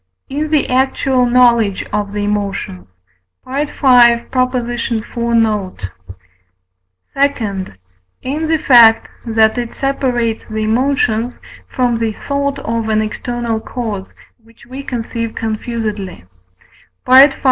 In the actual knowledge of the emotions (V. iv. note). II. In the fact that it separates the emotions from the thought of an external cause, which we conceive confusedly (V.